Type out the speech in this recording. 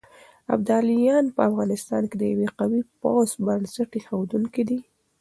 ابداليان په افغانستان کې د يوه قوي پوځ بنسټ اېښودونکي دي.